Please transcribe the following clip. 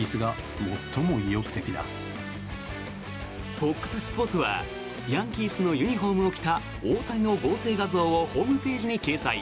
ＦＯＸスポーツはヤンキースのユニホームを着た大谷の合成画像をホームページに掲載。